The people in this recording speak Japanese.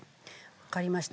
わかりました。